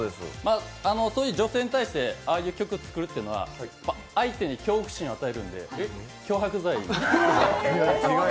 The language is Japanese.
そういう女性に対して、ああいう曲を作るというのは相手に恐怖心を与えるので脅迫罪。